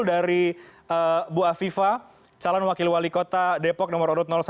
dari bu afifah calon wakil wali kota depok nomor urut satu